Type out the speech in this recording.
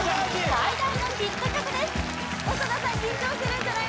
最大のヒット曲です